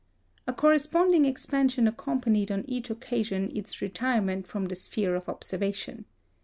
A corresponding expansion accompanied on each occasion its retirement from the sphere of observation.